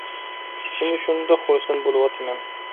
ئىچىمدە شۇنداق خۇرسەن بولۇۋاتىمەن